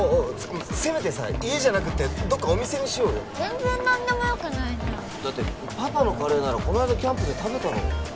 せめてさ家じゃなくてどっかお店にしようよ全然何でもよくないじゃんだってパパのカレーならこの間キャンプで食べたろ